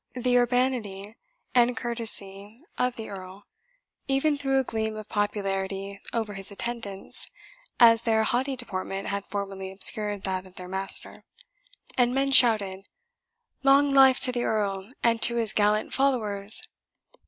The urbanity and courtesy of the Earl even threw a gleam of popularity over his attendants, as their haughty deportment had formerly obscured that of their master; and men shouted, "Long life to the Earl, and to his gallant followers!"